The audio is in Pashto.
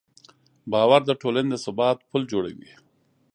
باور د ټولنې د ثبات پل جوړوي.